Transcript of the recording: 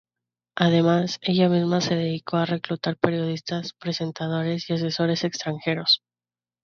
Además, ella misma se dedicó a reclutar periodistas, presentadores y asesores extranjeros.